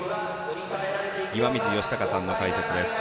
岩水嘉孝さんの解説です。